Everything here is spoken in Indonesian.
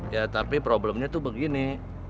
ya tapi problemnya itu begini